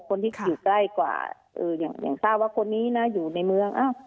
คนที่อยู่ใกล้กว่าอย่างทราบว่าคนนี้นะอยู่ในเมือง